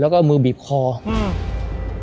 แล้วก็เอามือบีบคออืม